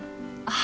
あ。